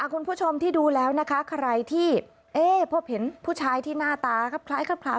คุณผู้ชมที่ดูแล้วนะคะใครที่พบเห็นผู้ชายที่หน้าตาคล้าย